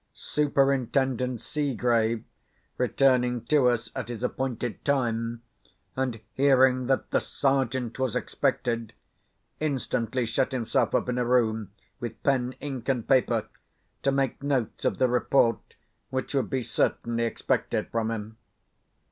Superintendent Seegrave, returning to us at his appointed time, and hearing that the Sergeant was expected, instantly shut himself up in a room, with pen, ink, and paper, to make notes of the Report which would be certainly expected from him.